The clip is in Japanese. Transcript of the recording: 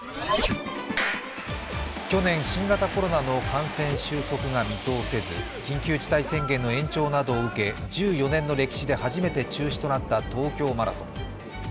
去年、新型コロナの感染収束が見通せず、緊急事態宣言の延長などを受け、１４年の歴史で初めて中止となった東京マラソン。